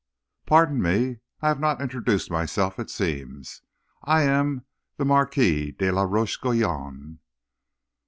"'Pardon me, I have not introduced myself, it seems. I am the Marquis de la Roche Guyon.'"